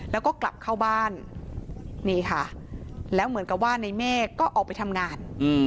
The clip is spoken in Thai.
แล้วก็กลับเข้าบ้านนี่ค่ะแล้วเหมือนกับว่าในเมฆก็ออกไปทำงาน